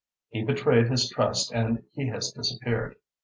"He betrayed his trust and he has disappeared.